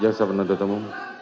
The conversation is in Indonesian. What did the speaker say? jasa penentu temum